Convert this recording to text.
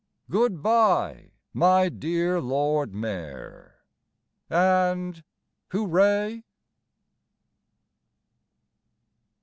Goodbye, my dear Lord Mayor! And Hooray?